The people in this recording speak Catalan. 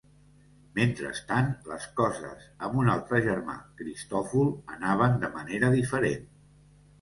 Mentrestant les coses amb un altre germà, Cristòfol, anaven de manera diferent.